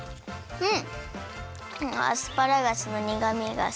うん。